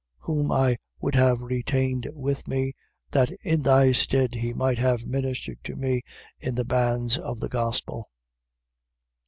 1:13. Whom I would have retained with me, that in thy stead he might have ministered to me in the bands of the gospel.